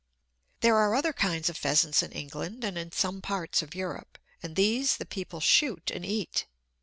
There are other kinds of pheasants in England and in some parts of Europe, and these the people shoot and eat.